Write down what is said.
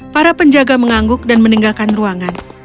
para penjaga mengangguk dan meninggalkan ruangan